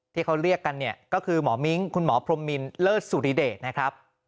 ที่เขาเรียกกันเนี่ยก็คือหมอมิ้งคุณหมอพรมมินเลิศสุริเดชนะครับ